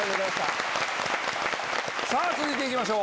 続いて行きましょう。